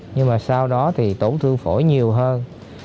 nhưng mà sau đó thì tổn thương phổi nhiều hơn